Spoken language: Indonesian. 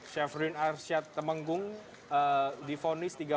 syafruddin arsyad temenggung difonis